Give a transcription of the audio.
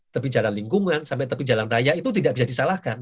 tepi jalan lingkungan sampai tepi jalan raya itu tidak bisa disalahkan